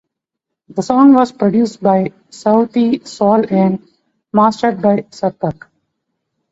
The song was produced by Sauti Sol and mastered by Sarthak.